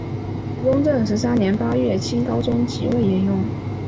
雍正十三年八月清高宗即位沿用。